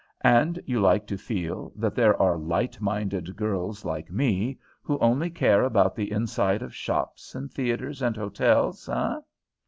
"And you like to feel that there are light minded girls like me, who only care about the inside of shops and theatres and hotels, eh?